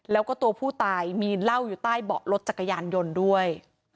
แล้วก็ตัวผู้ตายมีเหล้าอยู่ใต้เบาะรถจักรยานยนต์ด้วย